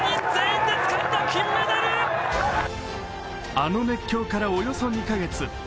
あの熱狂からおよそ２カ月。